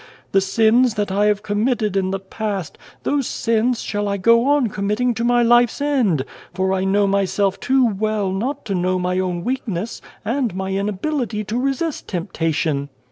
The sins that I have committed in the past, those sins shall I go on committing to my life's end, for I know myself too well not to know my own weakness, and my inability to resist temptation.'